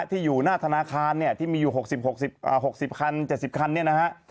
ที่อยู่หน้าธนาคารเนี่ยที่มีอยู่หกสิบหกสิบอ่าหกสิบคันเจ็ดสิบคันเนี่ยนะฮะ